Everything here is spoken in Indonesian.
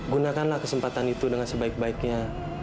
gunakanlah kesempatan itu dengan sebaik baiknya